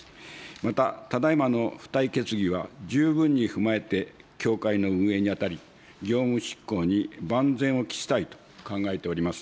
また、ただ今の付帯決議は十分に踏まえて、協会の運営に当たり、業務執行に万全を期したいと考えております。